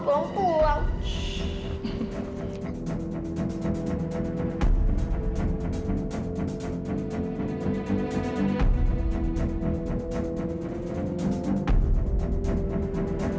saya ingin karyat sendiri